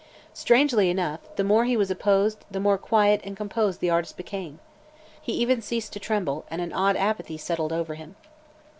Strangely enough, the more he was opposed the more quiet and composed the artist became. He even ceased to tremble and an odd apathy settled over him.